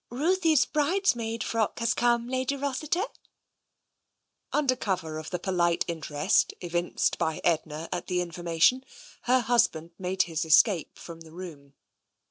Ruthie's bridesmaid frock has come. Lady Rossi ter." Under cover of the polite interest evinced by Edna at the information,' her husband made his escape from the room.